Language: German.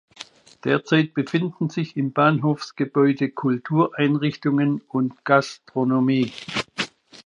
Derzeit befinden sich im Bahnhofsgebäude Kultureinrichtungen und Gastronomie.